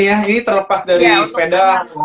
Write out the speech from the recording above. ini terlepas dari sepeda